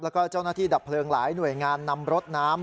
แล้วก็เจ้าหน้าที่ดับเพลิงหลายหน่วยงานนำรถน้ำ